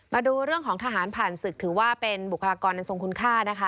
มาดูเรื่องของทหารผ่านศึกถือว่าเป็นบุคลากรอันทรงคุณค่านะคะ